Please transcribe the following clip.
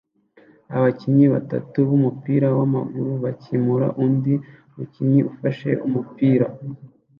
Abakinnyi batatu b'umupira w'amaguru bakemura undi mukinnyi ufashe umupira